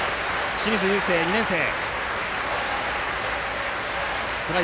清水友惺、２年生。